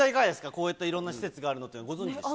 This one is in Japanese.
こうやっていろんな施設があるのって、ご存じでした？